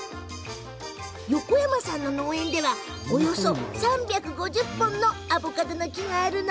横山さんの農園ではおよそ３５０本のアボカドの木があるの。